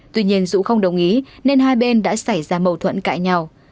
tuy nhiên dù không đồng ý nên hai bên đã xảy ra mâu thuẫn cãi nhau